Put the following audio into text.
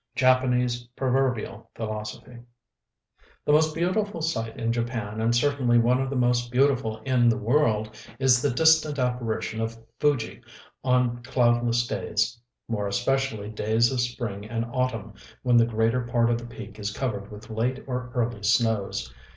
Japanese proverbial philosophy. The most beautiful sight in Japan, and certainly one of the most beautiful in the world, is the distant apparition of Fuji on cloudless days, more especially days of spring and autumn, when the greater part of the peak is covered with late or with early snows.